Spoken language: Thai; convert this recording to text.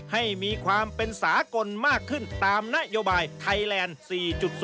ให้มีความเป็นสากลมากขึ้นตามนโยบายไทยแลนด์๔๖